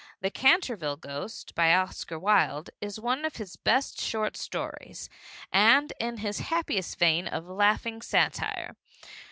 The Canterville Ghost, by Oscar Wilde, is one of his best short stories and is in his happiest vein of laughing satire.